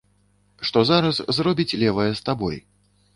Што зараз зробіць левая з табой.